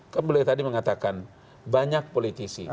kembali tadi mengatakan banyak politisi